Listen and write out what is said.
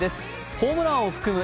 ホームランを含む